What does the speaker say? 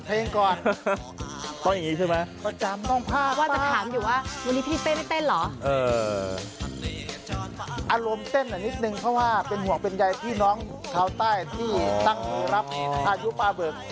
เพราะว่าเป็นห่วงเป็นใยพี่น้องชาวใต้ที่ตั้งรับอายุปลาเบิก